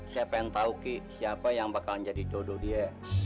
siapa yang tahu ki siapa yang bakal jadi dodo dia